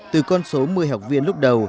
từ con số một mươi học viên lúc đầu